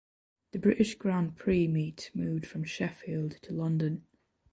The British Grand Prix meet moved from Sheffield to London.